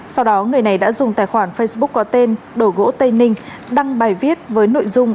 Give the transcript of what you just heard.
sau đó người này đã dùng tài khoản facebook có tên đồ gỗ tây ninh đăng bài viết với nội dung